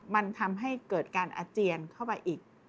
มันทำให้เกิดการอาเจียนเข้าไปอีก